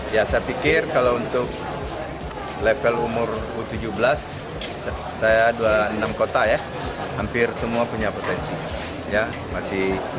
ya saya pikir kalau untuk level umur u tujuh belas saya dua enam kota ya hampir semua punya potensi